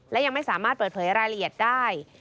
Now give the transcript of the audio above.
และยังไม่สามารถเปิดเผยรายละเอียดได้